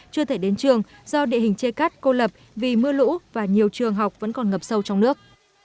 chưa thể đến trường do địa hình chê cắt cô lập vì mưa lũ và nhiều trường học vẫn còn ngập sâu trong nước